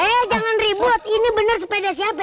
eh jangan ribut ini bener sepeda siapa